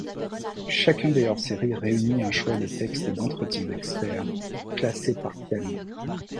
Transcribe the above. Chacun des hors-série réunit un choix de textes et d'entretiens d’experts classés par thèmes.